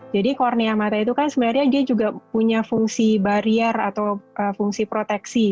jadi kornea mata itu kan sebenarnya dia juga punya fungsi barier atau fungsi proteksi